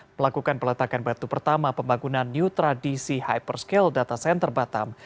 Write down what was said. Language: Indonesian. melakukan peletakan batu pertama pembangunan new tradisi hyperscale data center batam